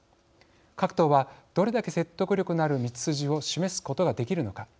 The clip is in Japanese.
各党はどれだけ説得力のある道筋を示すことができるのか。